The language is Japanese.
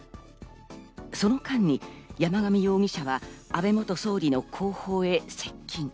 その間に山上容疑者は安倍元総理の後方へ接近。